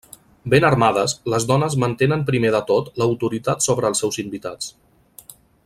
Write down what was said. Ben armades, les dones mantenen primer de tot l'autoritat sobre els seus invitats.